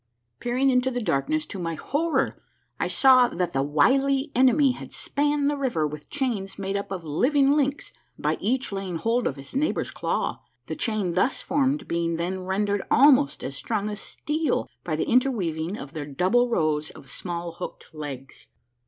Peering into the darkness, to my horror I saw that the wily enemy had spanned the river with chains made up of living links by each laying hold of his neighbor's claw, the chain thus formed being then rendered almost as strong as steel by the interweaving of their double rows of small hooked legs.